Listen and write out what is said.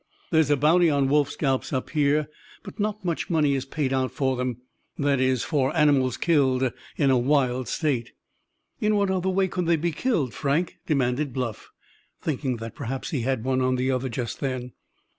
There's a bounty on wolf scalps up here; but not much money is paid out for them—that is, for animals killed in a wild state." "In what other way could they be killed, Frank?" demanded Bluff, thinking that perhaps he had one on the other just then.